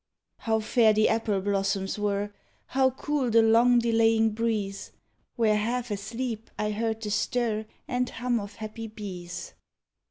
How fair the apple blossoms were! How cool the long delaying breeze I Where, half asleep, I heard the stir And hum of happy bees.